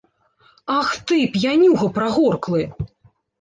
Ах ты, п'янюга прагорклы!